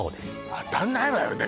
当たんないわよね